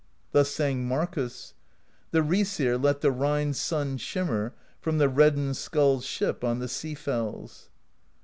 Thus sang Markiis: The Raesir let the Rhine's Sun shimmer From the reddened Skull's ship on the Sea Fells.